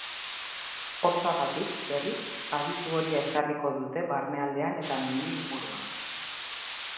Hotzagatik, berriz, abisu horia ezarriko dute barnealdean eta mendi inguruan.